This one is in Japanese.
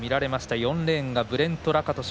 ４レーンがブレント・ラカトシュ。